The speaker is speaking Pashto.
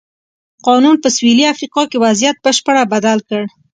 قانون په سوېلي افریقا کې وضعیت بشپړه بدل کړ.